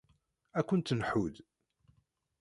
Ad kent-nḥudd.